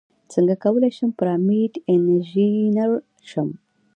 څنګه کولی شم پرامپټ انژینر شم